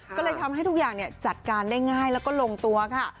ก็เลยทำให้ทุกอย่างจัดการได้ง่ายแล้วก็ลงตัวค่ะ